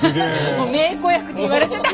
もう名子役って言われてた。